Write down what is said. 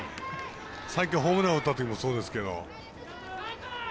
さっき、ホームラン打ったときもそうでしたけど。